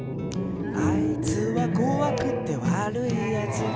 「あいつはこわくてわるいやつ」